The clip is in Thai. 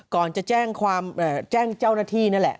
ก่อนจะแจ้งความแจ้งเจ้าหน้าที่นั่นแหละ